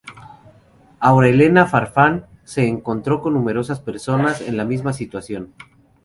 Aura Elena Farfán se encontró con numerosas personas en la misma situación.